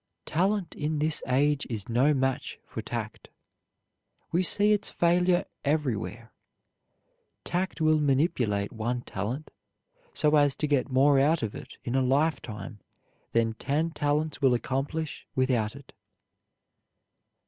Talent in this age is no match for tact. We see its failure everywhere. Tact will manipulate one talent so as to get more out of it in a lifetime than ten talents will accomplish without it.